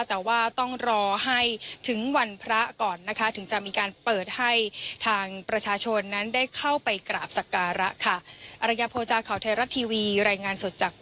แต่ว่าต้องรอให้ถึงวันพระก่อนนะคะ